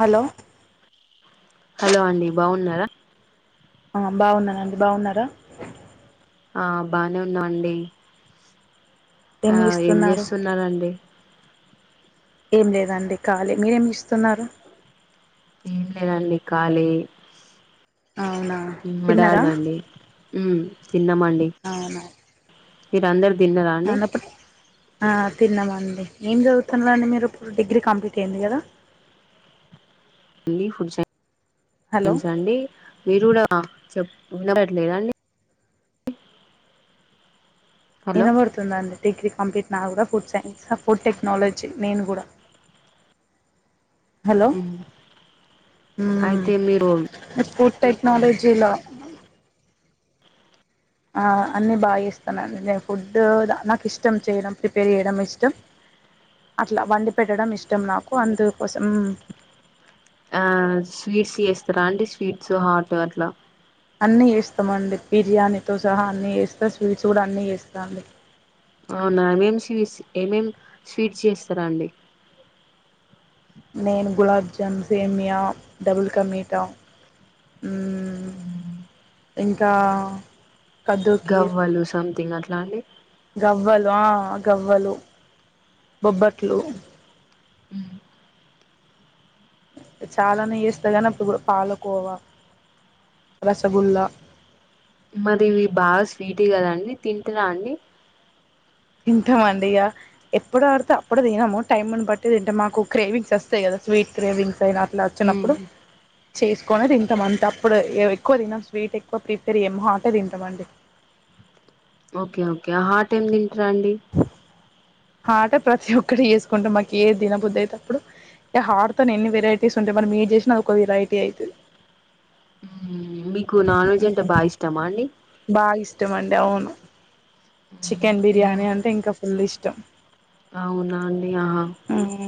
Hello hello అండి బాగున్నారా ఆ బాగున్నానండి బాగున్నారా ఆ బానే ఉన్నామండి ఆ ఏం చేస్తున్నారండి ఏం లేదండి ఖాలే మీరేం చేస్తున్నారు ఏం లేదండి ఖాళీ అవునా మా డాడ్ తిన్నారా నండి ఉమ్మ్ తిన్నామండి అవునా మీరందరూ తిన్నారా అండి అన్నప్పుడు ఆ తిన్నామండి ఏం చదువుతున్నారండి మీరు ఇప్పుడు డిగ్రీ కంప్లీట్ అయింది కదా వెళ్లి ఫుడ్ సై [inaudible] హలో న్ అండి మీరు కూడా చెప్ వినపడట్లేదండి హలో ఇనబడుతుందండి డిగ్రీ కంప్లీట్ నాది కూడా ఫుడ్ సైన్స్ ఫుడ్ టెక్నాలజీ నేను కూడా హా హలో ఉమ్మ్ మ్మ్ అయితే మీరు ఫుడ్ టెక్నాలజీలో అ అన్నీ బాగా చేస్తానండి నేను ఫుడ్డు నాకు ఇష్టం చేయడం ప్రిపేర్ చేయడం ఇష్టం అట్లా వండి పెట్టడం ఇష్టం నాకు అందుకోసం ఆ స్వీట్స్ చేస్తారా అంటే స్వీట్స్ హాట్ అట్లా అన్నీ చేస్తామండి బిర్యానీతో సహా అన్నీ చేేస్తా స్వీట్స్ కూడా అన్నీ చేస్తా అండి అవునా ఏమేం స్వీస్ ఏమేం స్వీట్స్ చేస్తారాండి నేను గులాబ్జామ్ సేమియా డబుల్ కా మీఠా ఉమ్మ్ ఇంకా కద్దు కీర్ గవ్వలు సంథింగ్ అట్లాండి గవ్వలు ఆ గవ్వలు బొబ్బట్లు ఉమ్ చాలానే చేస్తా గానీ అప్పుడు పాలకోవా రసగుల్ల మరి ఇవి బాగా స్వీట్ కదండి తింటారా అండి తింటామండి ఇగా ఎప్పుడు పడితే అప్పుడు తినము టైమును బట్టి తింటం మాకు క్రేవింగ్స్ వస్తాయి కదా స్వీట్ క్రేవింగ్స్ అయినా ఇలా మ్మ్ అచ్చినప్పుడు చేసుకొనే తింటా అంతా అప్పుడు, ఏ ఎక్కువ తినం స్వీట్ ఎక్కువ ప్రిఫర్ చేయం, హాట్ తింటమండీ. ఓకే ఓకే హార్ట్ ఏం తింటరండి? హాటె ప్రతి ఒక్కటి చేసుకుంటం మాకు ఏ దినబుద్దయితప్పుడు ఇగ హార్తో ఎన్ని వెరటీస్ ఉంటయి మరి, మీరు చేసిన ఒక వెరైటీ అయితది. మీకు నాన్ వెజ్ అంటే బా ఇష్టమా అండి? బాగా ఇష్టం అండి అవును, చికెన్ ఏం బిర్యానీ అంటే ఇంకా ఫుల్ ఇష్టం. అవునా అండి, ఆహా ఉమ్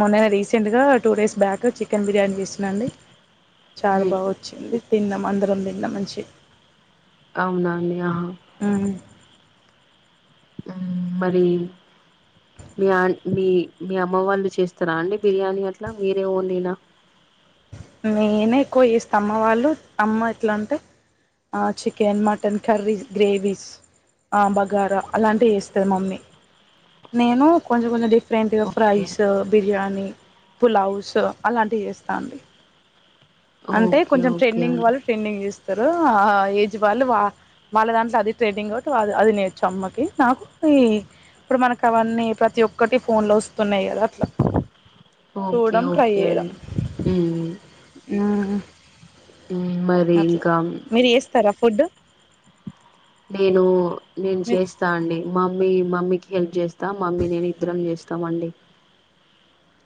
మొన్ననే రీసెంట్గా two days back chicken biryani చేసిన అండి చాలా ఉమ్, బా వోచ్చింది, తిన్నాం అందరం తిన్నాం మంచిగ అవునా అండి ఆహ ఉమ్ ఉమ్ మరి మీ అన్ మీ మీ అమ్మ వాళ్ళు చేస్తరా అండి బిర్యానీ అట్లా, మీరే ఓన్లీ ఆ నేనే ఎక్కువ చేస్త, అమ్మ వాళ్ళు అమ్మ ఎట్ల అంటే అ చికెన్, మటన్, కర్రీస్, గ్రేవీస్ ఆ బగారా అలాంటియి చేస్తది మమ్మీ, నేను కొంచెం కొంచం డిఫ్ ఫ్రెరెంట్గా ఓకే ఫ్రైస్, బిర్యానీ, పులవస్ అలాంటివి చేస్తా అండి. అంటే ఓకే కొంచెం ఓకే ట్రెండింగ్ అండి వాళ్ళు, ట్రెండింగ్ చేస్తరు ఆ ఏజ్ వాళ్ళు వా వాళ్ళ దాంట్లో అది ట్రేడింగ్, టో అది అది నేర్చుమ్మకి నాకు ఈ ఇప్పుడు మనకవన్నీ ప్రతి ఒక్కటి ఫోన్లో ఒస్తున్నాయి కదా అట్లా. ఓకే చూడడం ట్రై ఓకే అండి, ఉమ్ ఉమ్ ఉమ్, మరి అట్ల, ఇంకా మీరు చేస్తరా ఫుడ్డు? నేను నేను మీరు చేస్త స్తా అండి మమ్మీ మమ్మీకి హెల్ప్ చేస్తా, మమ్మీ నేను ఇద్దరం చేస్తామండి.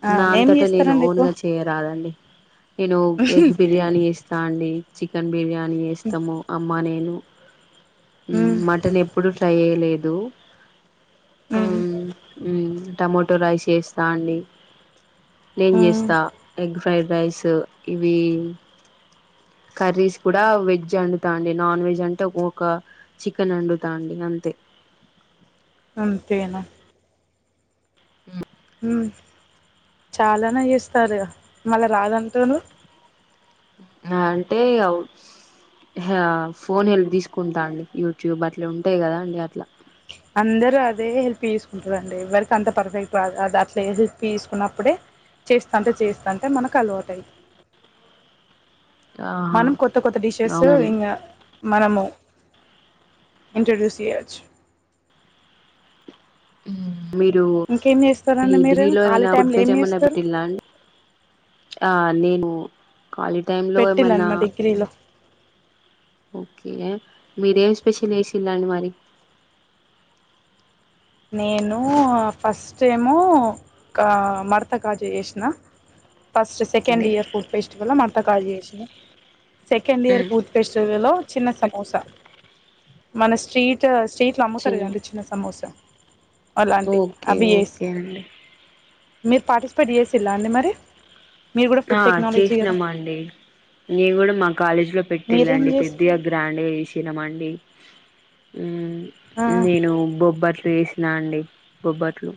అవును ఏం నాంతటా నేను చేస్తారండి ఎక్కువ ఓన్గా చేయరాదండి, నేను ఎగ్ బిర్యానీ చేస్ తాండి చికెన్ బిర్యానీ చేస్తము అమ్మ నేను. ఉమ్ హ్మ్ మటన్ ఎప్పుడు ట్రై చేయలేదు, హ్మ్ ఉమ్ ఉమ్ టమోటో రైస్ చేస్తా అండి, నేన్ హ్మ్ చేస్తా ఎగ్ ఫ్రైడ్ రైస్ ఇవి కర్రీస్ కూడా వెజ్ అండుతా అండి, నాన్ వెజ్ అంటే ఒ ఒక చికెన్ వండుతా అండి, గంతే అంతేనా ఉ హ్మ్ చాలనే చేస్తారుగా మళ్ళా రాదంటున్రు అ అంటే ఇగ ఆ ఫోన్ హెల్ప్ తీసుకుంటా అండి, యూట్యూబ్ అట్ల ఉంటయి కదా అండి అట్లా అందరు అదే హెల్ప్ చేసుకుంటరండి, ఎవరికి అంత పర్ఫెక్ట్ రాదు, అద అట్ల హెల్ప్ తీసుకున్నప్పుడే చేస్తంటే చేస్తంటే మనకు అలవాటు అయి ఆహా మనం కొత్త కొత్త డిషెస్ అవునండి ఇంగ మనము ఇంట్రడ్యూస్ చేయచ్చు. ఉమ్ మీరు ఇంకేం ఈ చేస్తారండి మీరు ఢిల్లీలో ఖాళీ ఏమనా టైంలో ఏం [unintelligible] ఏమన్నా చేస్తారు బెట్టిల్లా అండి? ఆ నేను ఖాళీ టైంలో పెట్టిళ్ళండి ఏమన్నా మా డిగ్రీలో ఓకే మీరేం స్పెషల్ చేసిల్లండి మరి? నేను ఫస్టేమో కా మడతకాజ జేష్నా ఫస్ట్ సెకండ్ అండి ఇయర్ ఫుడ్ ఫెస్టివల్ మడత కాజ చేస్నా second year um food festival లో చిన్న సమోసా మన స్ట్రీటర్స్ స్ట్రీట్ లో అమ్ముతారు చిన్ కదండి చిన్న సమోసా అలాంటివి ఓకే అవి జెస్ ఓకే అండి మీరు పార్టిసిపేట్ చేసిల్లా అండి మరి మీరు కూడా ఫుడ్ టెక్నాలజీ కదా అండి నేను కూడా మా కాలేజీ లో మీరేం పెట్టిళ్ళండి చేసి పెద్దిగా గ్రాండ్గా చేసినమండి ఉ ఆ నేను బొబ్బట్లు వేస్ నాండి బొబ్బట్లు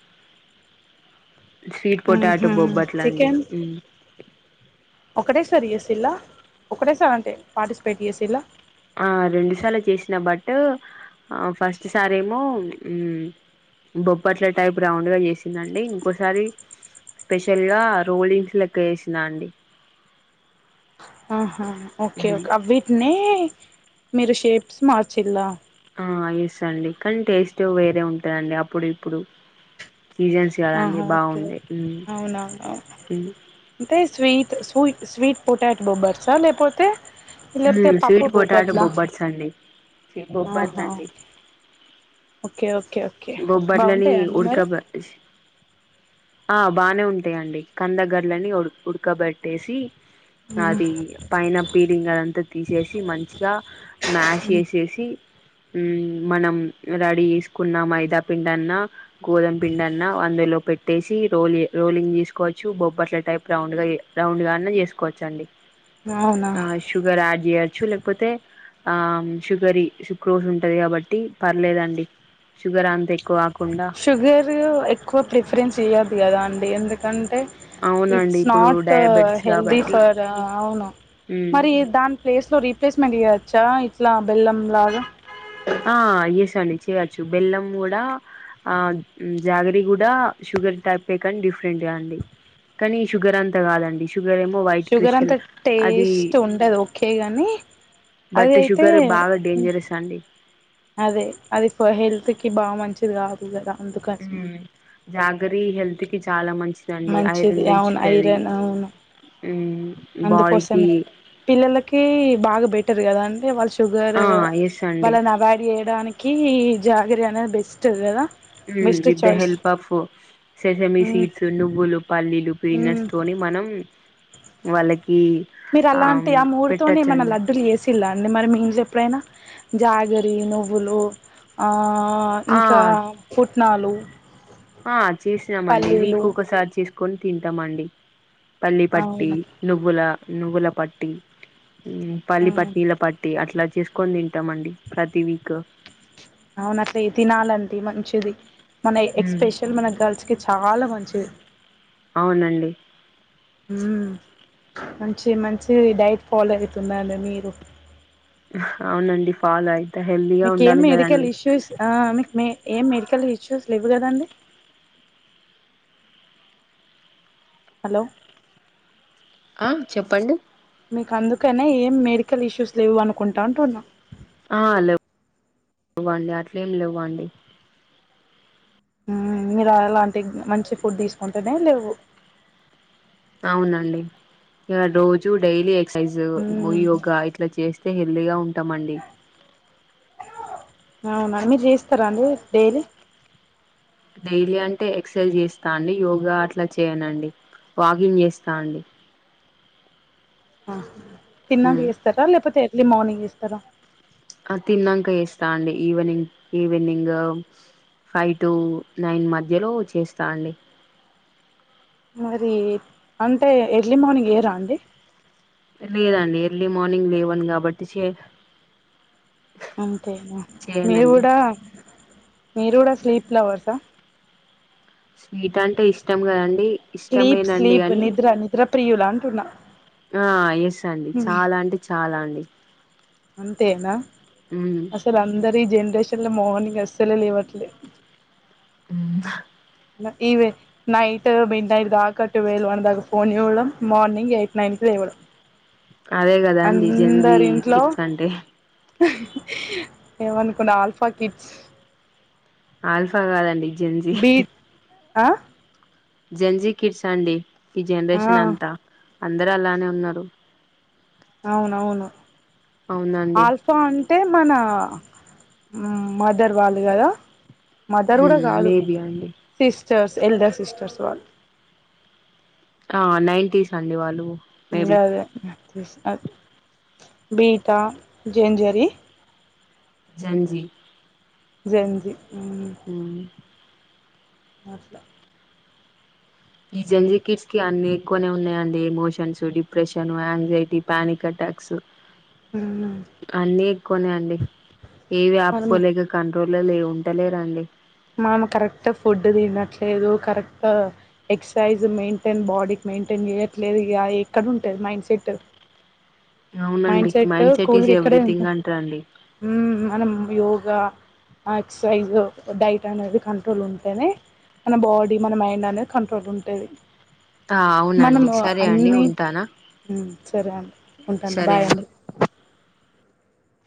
స్వీట్ పొటాటో ఉహు బొబ్బట్లండి చికెన్ ఉ ఒకటేసారి చేసిల్లా ఒకటేసార్ అంటే పార్టిసిపేట్ చేసిల్లా ఆ రెండు సార్లు చేసిన బట్ ఆ ఫస్ట్ సారేమో ఉ బొబ్ప్పట్ల టైప్ రౌండ్ గా చేసిందండి ఇంకోసారి స్పెషల్గా రోలింగ్స్ లెక్క చేసిన అండి ఆహా ఓకే మ్మ్ ఓకే అ వీటినే మీరు షేప్స్ మార్చిల్లా ఆ ఏస్ అండి కానీ టేస్ట్ వేరే ఉంటదండి అప్పుడు ఇప్పుడు సీజెన్స్ కదండి ఆహా ఓకే బావుంది ఓకే అవునవును ఉ అంటే స్వీట్ సుయ్ స్వీట్ పొటాట్ బొబ్బర్స లేపోతే లేప్తే మ్మ్ పప్పు స్వీట్ పొటాటో బొబ్బట్ల బొబ్బట్స్ అండి ఆహా బొబ్బట్లండి ఓకే ఓకే ఓకే బొబ్బట్లని బాగుంటాయా అండి మరి ఉడకబటసి ఆ బానే ఉంటాయండి కందగడ్లని ఉడ్ ఉడకబెట్టేసి అది పైన పీలింగ్ అదంతా తీసేసి మంచిగా మ్యాష్ చేసేసి ఉ మనం రెడీ చేసుకున్నా మైదాపిండన్నా గోధుమ పిండన్నా అందులో పెట్టేసి రోలి రోలింగ్ చేసుకోవచ్చు బొబ్బట్ల టైప్ రౌండ్ గ రౌండ్ గా చేసు కుచండి అవునా షుగర్ యాడ్ చేయొచ్చు లేక్పోతే ఆ షుగరి షుక్రోజ్ ఉంటది కాబట్టి పర్లేదండి షుగర్ అంతై షుగర్ ఎక్కువ ప్రిఫరెన్స్ ఇయ్యద్దు కదా అండి ఎందుకంటే అవునండి ఇట్స్ ఇప్పుడు నాట్ డయాబెటిస్ హెల్ది కాబట్టి ఫర్ అవును మ్మ్ మరి దాన్ ప్లేస్లో రీప్లేస్మెంట్ ఇయచ్చా ఇట్లా బెల్లం లాగా ఆ ఎస్ అండి చేయొచ్చు బెల్లం గూడా ఆ జాగ్రి కూడా షుగర్ టైపె కానీ డిఫరెంట్గా అండి కానీ షుగర్ అంతా కాదండి షుగర్ ఏమో వైట్ క్రిస్టల్ అది ఉంటది ఒకే గాని అదయితే చండి అదే అది హెల్త్ కి బా మంచిది కాదు కదా అందుకసమ జాగ్రి హెల్త్ కి చాలా మంచి దండి మంచిది ఐరన్ అవును పెంచుతది ఐరన్ అవును ఉ బాడికి అందుకోసమే పిల్లలకి బాగా బెటర్ కదా అంటే వాళ్ళ షుగర్ ఆ ఎస్ అండి వాళ్ళని అవాయిడ్ చేయడాని కి జాగ్రి అనేది బెస్ట్ కదా ఉ best with the choice help of sesame hmm seeds నువ్వులు పల్లీలు మ్మ్ పీనట్స్ తోని మనం వాళ్ళకి మీరు అలాంటి ఆ మూడుతోనే ఎమన్నా పెట్టచ్చండి లడ్డులు చేసి తిల్లా అండి మరి మీ ఇంట్లో ఎప్పుడైనా జాగరి నువ్వులు ఆ ఇంకా ఆ పుట్నాలు ఆ చేసినామండి వీక్ పల్లీలు కు ఒకసారి చేసుకొని తింటామండి పల్లీ పట్టి అవునా నువ్వుల నువ్వుల పట్టి మ్మ్ పల్లి ఆ పట్టీల పట్ టి అట్లా చేసుకొని తింటామండి ప్రతి వీక్ అవును అట్లే తినాలండి మంచిది మన ఉమ్ ఎక్స్పెషల్ మన గర్ల్స్ కి చాలా మంచిది అవునండి మ్మ్ మంచిది మంచిది డైట్ ఫాలో అయితుండండి మీరు హ్ అవునండి ఫాలో అయి మీకు ఏం మెడికల్ ఇష్యూస్ ఆ మీకు మే ఏం మెడికల్ ఇష్యూస్ లెవ్వు కదండి హలో ఆ చెప్పండి మీకు అందుకనే ఏం మెడికల్ ఇష్యూస్ లేవు అనుకుంటా అంటున్నా ఆ లేవ్ లెవ్వండి అట్లేం లెవ్వండి మ్మ్ మీరు అలాంటి మంచి ఫుడ్ తీసుకుంటేనే లెవ్వు అవునండి ఇగ డోజు డైలీ ఎక్సర్సైజ్ ము మ్మ్ యోగా ఇ ట్లా చేస్తే హెల్తీగా ఉంటామండి అవునా మీరు జేస్తరా అండి డైలీ డైలీ అంటే ఎక్సర్సైజ్ చేస్తా అండి యోగా అట్లా చేయనండి వాకింగ్ చేస్తా అండి హ తిన్నాంక ఉమ్ చేస్తరా లేకపోతే ఎర్లీ మార్నింగ్ చేస్తరా తిన్నాంక చేస్తా అండి evening evening five to nine మధ్యలో చేస్తా అండి మరి అంటే ఎర్లీ మార్నింగ్ ఏయరా అండి ర్లేదండి ఎర్లీ మార్నింగ్ లేవన్ కాబట్టి చేస్ అంతేనా మీరు చేయనండి కూడా మీరు కూడా స్లీప్ లవర్సా స్వీట్ అంటే ఇష్టం గదండి స్లీప్ స్లీప్ నిద్ర నిద్ర ప్రియులా అంటున్నా ఆ ఎస్ అండి చాలా అంటే చాలా అండి ఉమ్ సారి అందరీ ఈ జనరేషన్ లో మార్నింగ్ అస్సలే లేవట్లే మ్మ్ ల ఇవే నైట్ మిడ్నైట్ దాకా టుూవేల్ వన్ దాకా ఫోన్ చూడడం మార్నింగ్ ఎయిట్ నైన్ కి లేవడం అదే గదా అండి జెంజీ కిడ్స్ అంటే ఏమనుకున్నవ్ ఆల్ఫా కిడ్స్ ఆల్ఫా కాదండి జెన్జీ బీట్ ఆ జెంజీ కిడ్స్ అండి ఈ ఆ జనరేషన్ అంతా అందరూ అలానే ఉన్నారు అవును అవును అవునండి ఆల్ఫ్ సో అంటే మన మ్ మదర్ వాళ్ళు గదా మదర్ గూడా మ్మ్ కాదు మేబి అండి సిస్టర్స్ ఎల్డర్ సిస్టర్స్ వాళ్ళు ఆ నైన్టీస్ అండి వాళ్ళు మేబి అదే అదే అ బీటా జేంజరి జెన్జీ జెంజి హు మ్మ్ అట్లా ఈ జెంజి కిడ్స్ కి అన్ని ఎక్కువనే ఉన్నాయండి. Emotions, depression, anxiety, panic attacks. హ్మ్ అన్నీ ఎక్కువనే అండి ఏవి మనం ఆపుకోలేక కంట్రోల్లో లే ఉంటలేరండి. మామ కరెక్ట్ ఫుడ్ తినట్లేదు కరెక్ట్ ఎక్ససైజ్ మెయింటైన్, బాడీకి మెయింటైన్ చేయట్లేదు ఇగ ఎక్కడుంటది మైండ్ సెట్. అవునండి మైండ్ సెట్ కూల్ ఈజ్ గా ఇక్కడే ఉంట ఎవ్రీథింగ్ అంటారండి ఎక్సర్సైజ్ డైట్ అనేది కంట్రోల్ ఉంటేనే మన బాడీ, మన మైండ్ అనేది కంట్రోల్ ఉంటేది. ఆహా అవునండి సరే అండి ఉంటానా సరే అండి ఉంటాన్న బాయ్ అండి